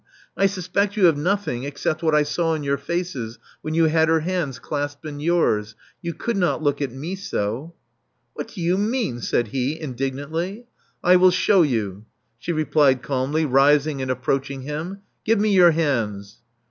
I suspect you of nothing except what I saw in your faces when you had her hands clasped in yours. You could not look at me so." What do you mean?" said he, indignantly. I will shew you, she replied calmly, rising and approaching him. Give me your hands."